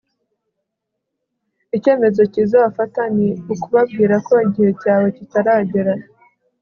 ikemezo kiza wafata ni ukubabwira ko igihe cyawe kitaragera